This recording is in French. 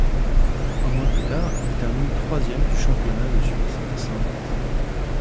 Un mois plus tard, il termine troisième du championnat de Suisse à St-Moritz.